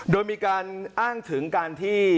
โดยมีอ้านถึงที่